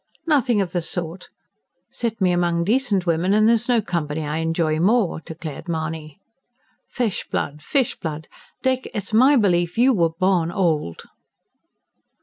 "Nothing of the sort! Set me among decent women and there's no company I enjoy more," declared Mahony. "Fish blood, fish blood! Dick, it's my belief you were born old."